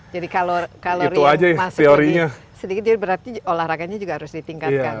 jadi kalori yang masuk sedikit berarti olahraganya juga harus ditingkatkan ya